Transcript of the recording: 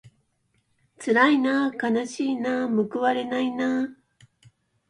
つらいなあかなしいなあむくわれないなあ